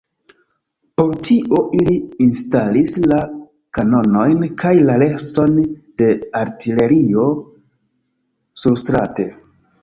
Por tio ili instalis la kanonojn kaj la reston de artilerio surstrate.